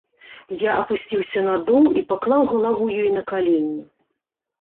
Я апусціўся на дол і паклаў галаву ёй на калені.